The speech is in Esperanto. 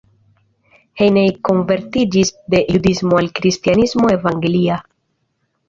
Heine konvertiĝis de judismo al kristanismo evangelia.